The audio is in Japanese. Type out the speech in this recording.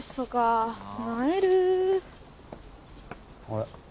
あれ？